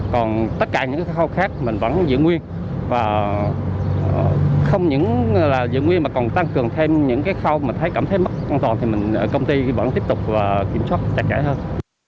còn tất cả những cái khâu khác mình vẫn giữ nguyên và không những là giữ nguyên mà còn tăng cường thêm những cái khâu mà thấy cảm thấy mất an toàn thì công ty vẫn tiếp tục kiểm soát chặt chẽ hơn